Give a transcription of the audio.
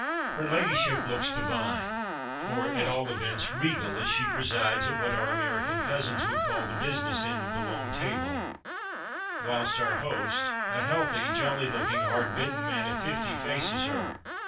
Her ladyship looks divine, or at all events regal, as she presides at what our American cousins would call the "business end" of the long table, whilst our host, a healthy, jolly looking, "hard bitten" man of fifty, faces her.